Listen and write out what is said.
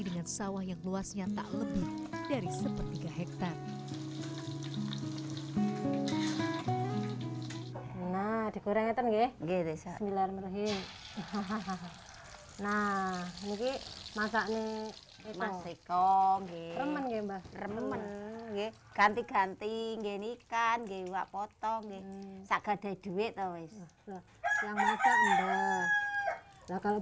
dengan sawah yang luasnya tak lebih dari sepertiga hektare nah dikurenget kan